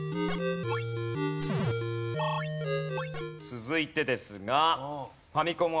続いてですが。